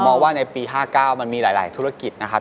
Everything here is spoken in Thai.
ว่าในปี๕๙มันมีหลายธุรกิจนะครับ